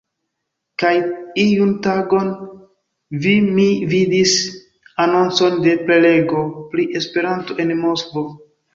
Kaj iun tagon vi mi vidis anoncon de prelego pri Esperanto en Moskvo.